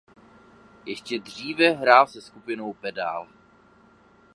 Ještě dříve hrál se skupinou Pedál.